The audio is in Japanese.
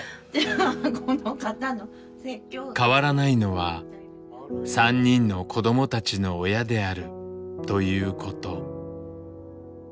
変わらないのは３人の子どもたちの親であるということ。